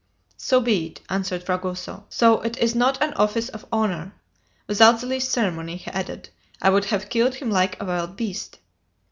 "So be it," answered Fragoso, "though it is not an office of honor. Without the least ceremony," he added, "I would have killed him like a wild beast."